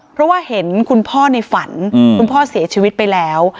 เพราะว่าเห็นคุณพ่อในฝันคุณพ่อเสียชีวิตไปแล้ว